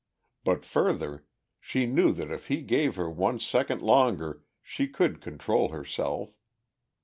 But further, she knew that if he gave her one second longer she could control herself.